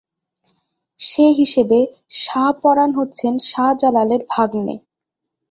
সে হিসেবে শাহ পরাণ হচ্ছেন শাহ জালালের ভাগ্নে।